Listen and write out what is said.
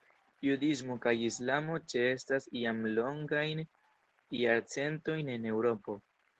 Judismo kaj islamo ĉeestas jam longajn jarcentojn en Eŭropo.